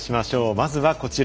まずはこちら。